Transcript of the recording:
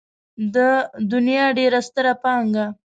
د دنيا ډېره ستره پانګه.